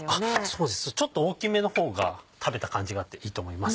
そうですねちょっと大きめの方が食べた感じがあっていいと思います。